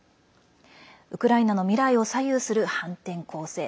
ウクライナの未来を左右する反転攻勢。